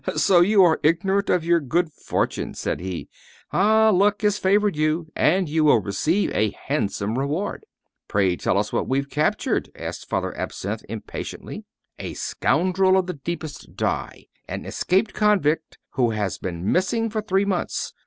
"So you are ignorant of your good fortune," said he. "Ah! luck has favored you, and you will receive a handsome reward." "Pray tell us what we've captured?" asked Father Absinthe, impatiently. "A scoundrel of the deepest dye, an escaped convict, who has been missing for three months.